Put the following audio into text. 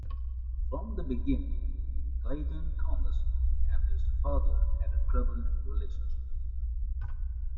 From the beginning, Clayton-Thomas and his father had a troubled relationship.